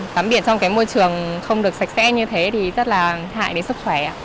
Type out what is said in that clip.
tắm biển trong cái môi trường không được sạch sẽ như thế thì rất là hại đến sức khỏe